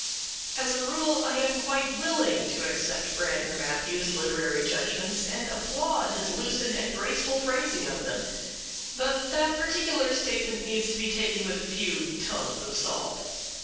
As a rule, I am quite willing to accept Brander Matthews's literary judgments and applaud his lucid and graceful phrasing of them; but that particular statement needs to be taken with a few tons of salt.